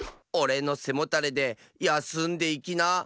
『おれのせもたれでやすんでいきな』」。